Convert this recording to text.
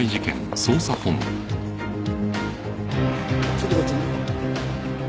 ちょっとこっちに。